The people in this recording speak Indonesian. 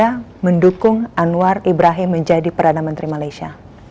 bagaimana mendukung anwar ibrahim menjadi perdana menteri malaysia